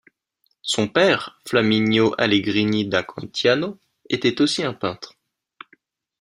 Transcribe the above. Son père, Flamminio Allegrini da Cantiano était aussi un peintre.